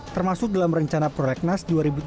termasuk dalam rencana prolegnas dua ribu tujuh belas